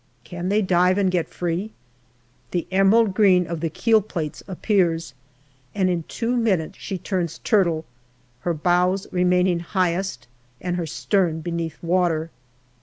Can they dive and get free ? The emerald green of the keel plates appears, and in two minutes she turns turtle, her bows remaining highest and her stern beneath water.